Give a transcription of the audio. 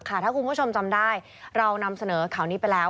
ถ้าคุณผู้ชมจำได้เรานำเสนอข่าวนี้ไปแล้ว